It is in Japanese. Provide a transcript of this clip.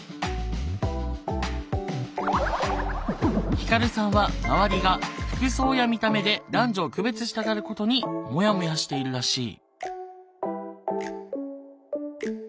ひかるさんは周りが服装や見た目で男女を区別したがることにモヤモヤしているらしい。